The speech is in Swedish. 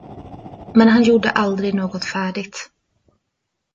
Men han gjorde aldrig något färdigt.